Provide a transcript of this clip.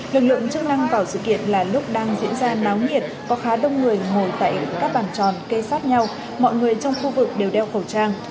lực lượng chức năng vào sự kiện là lúc đang diễn ra náo nhiệt có khá đông người ngồi tại các bàn tròn kê sát nhau mọi người trong khu vực đều đeo khẩu trang